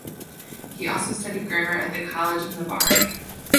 He also studied grammar at the College of Navarre.